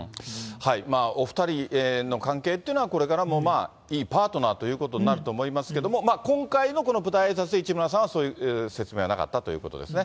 お２人の関係っていうのは、これからもいいパートナーということになると思いますけども、今回の舞台あいさつで、市村さんは、そういう説明はなかったということですね。